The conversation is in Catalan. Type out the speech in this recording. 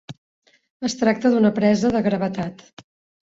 Es tracta d'una presa de gravetat.